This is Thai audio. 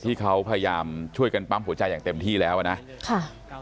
ที่เขาพยายามช่วยกันปั๊มหัวใจอย่างเต็มที่แล้วอ่ะนะค่ะ